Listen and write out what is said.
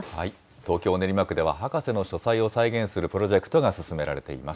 東京・練馬区では博士の書斎を再現するプロジェクトが進められています。